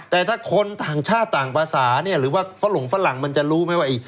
แต่ถ้าคนต่างชาติต่างภาษาเนี่ยหรือว่าฝรหลงฝรั่งมันจะรู้ไหมว่า